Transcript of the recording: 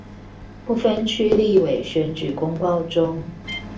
不分區立委選舉公報中